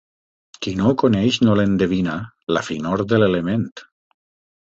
Qui no ho coneix no l'endevina, la finor de l'element.